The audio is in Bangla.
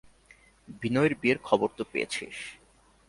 বিনয়ের বিয়ের খবর তো পেয়েছিস?